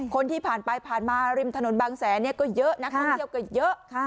คนที่ผ่านไปผ่านมาริมถนนบางแสนเนี่ยก็เยอะนะคนเดียวกันเยอะ